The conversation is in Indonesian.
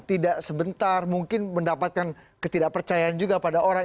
tidak sebentar mungkin mendapatkan ketidakpercayaan juga pada orang